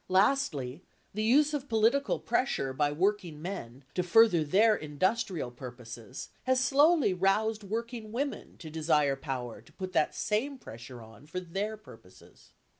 Lastly, the use of political pressure by working men, to further their industrial purposes, has slowly roused working women to desire power to put that same pressure on for their purposes.